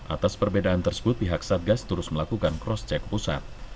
atas perbedaan tersebut pihak satgas terus melakukan cross check pusat